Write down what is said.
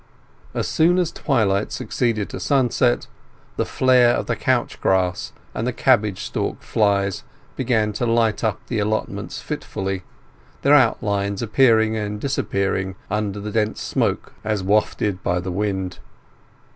As soon as twilight succeeded to sunset the flare of the couch grass and cabbage stalk fires began to light up the allotments fitfully, their outlines appearing and disappearing under the dense smoke as wafted by the wind.